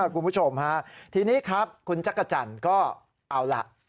คุณผู้ชมฮะทีนี้ครับคุณจักรจันทร์ก็เอาล่ะ